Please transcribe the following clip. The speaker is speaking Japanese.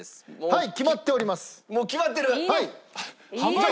はい。